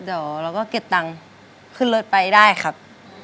เดี๋ยวเราก็เก็บตังค์ขึ้นรถไปได้ครับ